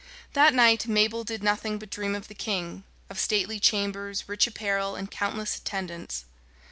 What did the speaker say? That night Mabel did nothing but dream of the king of stately chambers, rich apparel, and countless attendants.